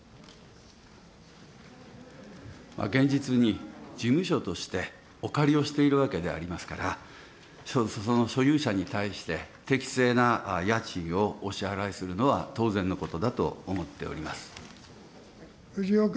現実に事務所としてお借りをしているわけでありますから、その所有者に対して、適正な家賃をお支払いするのは当然のことだと思っております。